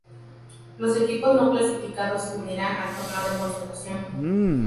Los equipos no clasificados se unirán al torneo de consolación.